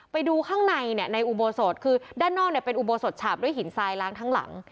ไปดูข้างในในอุโบสถคือด้านนอกเนี่ยเป็นอุโบสถฉาบด้วยหินทรายล้างทั้งหลัง